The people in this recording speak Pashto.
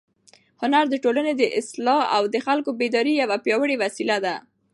هنر د ټولنې د اصلاح او د خلکو د بیدارۍ یوه پیاوړې وسیله ده.